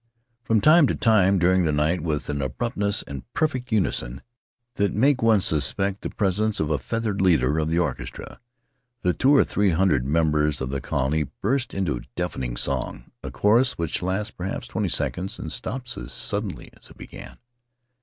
From time to time during the night, with an abruptness and perfect unison that make one suspect the presence of a feathered Faery Lands of the South Seas leader of the orchestra, the two or three hundred mem bers of the colony burst into deafening song — a chorus which lasts perhaps twenty seconds, and stops as suddenly as it began.